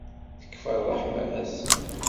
Tekfa ṛṛeḥma-s?